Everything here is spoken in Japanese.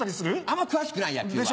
あんま詳しくない野球は。